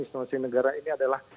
institusi negara ini adalah